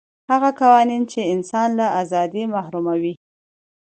هغه قوانین چې انسان له ازادۍ محروموي.